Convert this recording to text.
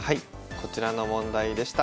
こちらの問題でした。